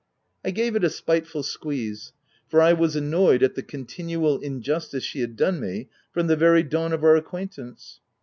I gave it a spiteful squeeze ; for I was annoyed at the continual injustice she had done me from the very dawn of our acquaint ance.